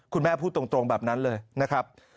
คุณแม่พูดตรงแบบนั้นเลยนะครับ